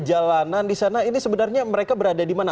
jadi sebenarnya mereka berada di mana